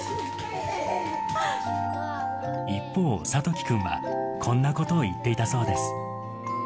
一方、諭樹君は、こんなことを言っていたそうです。